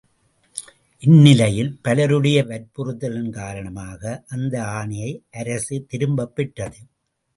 இந்நிலையில் பலருடைய வற்புறுத்தலின் காரணமாக அந்த ஆணையை அரசு திரும்பப்பெற்றது.